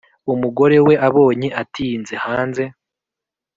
umugore we abonye atinze hanze